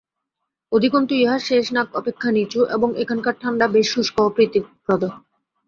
অধিকন্তু ইহা শেষনাগ অপেক্ষা নীচু এবং এখানকার ঠাণ্ডা বেশ শুষ্ক ও প্রীতিপ্রদ।